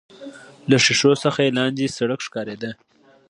له ښيښو څخه يې لاندې سړک ښکارېده.